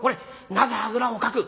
なぜあぐらをかく？」。